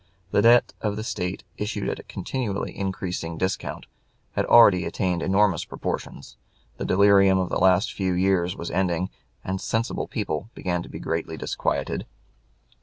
The debt of the State, issued at a continually increasing discount, had already attained enormous proportions; the delirium of the last few years was ending, and sensible people began to be greatly disquieted.